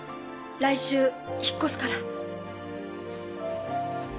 来週引っ越すから。